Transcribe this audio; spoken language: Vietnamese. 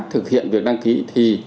thực hiện việc đăng ký thì